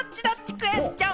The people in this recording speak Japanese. クエスチョン！